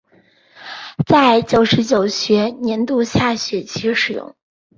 在九十九学年度下学期启用。